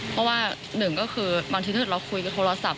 เพราะว่าหนึ่งก็คือบางทีถ้าเกิดเราคุยกับโทรศัพท์